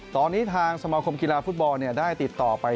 ตอนนี้ทางสมาคมกีฬาฟุตบอลได้ติดต่อไป